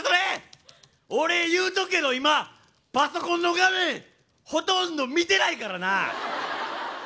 俺言うとくけど今パソコンの画面ほとんど見てないからな！